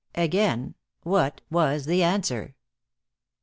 Again, what was the answer?